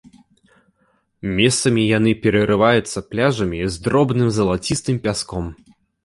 Месцамі яны перарываюцца пляжамі з дробным залацістым пяском.